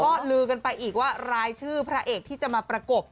ก็ลือกันไปอีกว่ารายชื่อพระเอกที่จะมาประกบ